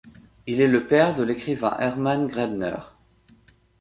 Il est le père de l'écrivain Hermann Graedener.